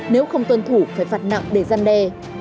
nếu không tuân thủ phải phạt nặng để gian đe